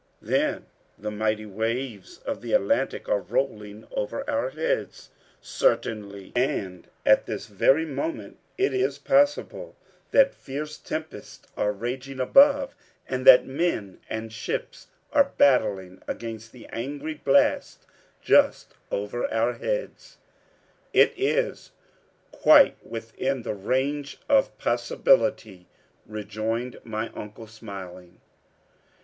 "Then the mighty waves of the Atlantic are rolling over our heads?" "Certainly." "And at this very moment it is possible that fierce tempests are raging above, and that men and ships are battling against the angry blasts just over our heads?" "It is quite within the range of possibility," rejoined my uncle, smiling.